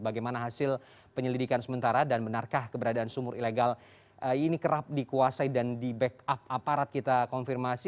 bagaimana hasil penyelidikan sementara dan benarkah keberadaan sumur ilegal ini kerap dikuasai dan di backup aparat kita konfirmasi